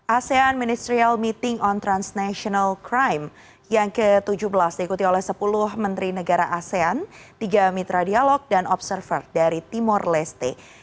asean ministerial meeting on transnational crime yang ke tujuh belas diikuti oleh sepuluh menteri negara asean tiga mitra dialog dan observer dari timur leste